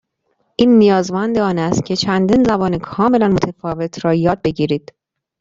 این نیازمند آن است که چندین زبان کاملأ متفاوت را یاد بگیرید.